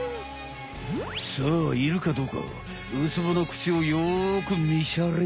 さあいるかどうかウツボの口をよくみしゃれい。